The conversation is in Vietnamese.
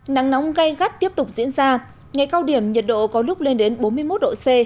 nắng nóng gây gắt tiếp tục diễn ra ngày cao điểm nhiệt độ có lúc lên đến bốn mươi một độ c